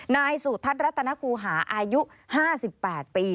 นายสุทัศน์รัตนคูหาอายุ๕๘ปี